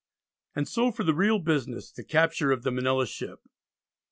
And so for the real business, the capture of the Manila ship.